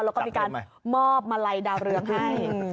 แล้วก็มีการมอบมาลัยดาวเรืองให้